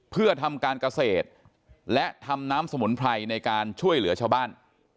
เพื่อทำการเกษตรและทำน้ำสมุนไพรในการช่วยเหลือชาวบ้าน